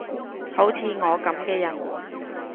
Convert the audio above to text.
好似我噉嘅人